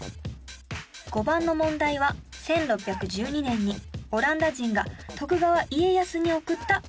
５番の問題は１６１２年にオランダ人が徳川家康に贈ったこの鳥です。